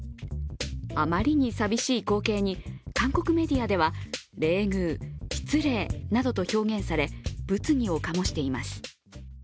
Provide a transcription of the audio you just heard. あまりに寂しい光景に韓国メディアでは冷遇、失礼などと表現され物議を醸しています。